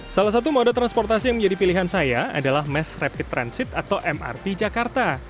salah satu moda transportasi yang menjadi pilihan saya adalah mass rapid transit atau mrt jakarta